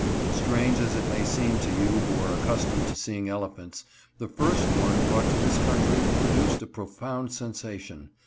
Strange as it may seem to you who are accustomed to seeing elephants, the first one brought to this country produced a profound sensation.